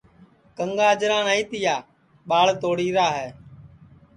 کنٚگا اجرا نائی تیا ٻاݪ توڑی را ہے